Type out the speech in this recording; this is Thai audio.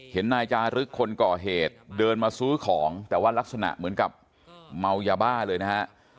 นายจารึกคนก่อเหตุเดินมาซื้อของแต่ว่ารักษณะเหมือนกับเมายาบ้าเลยนะฮะ